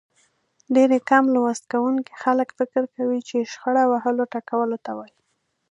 ډېری کم لوست کوونکي خلک فکر کوي چې شخړه وهلو ټکولو ته وايي.